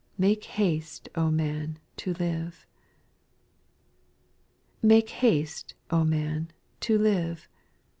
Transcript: Make haste, O man, to live I 7. Make haste, O man, to live.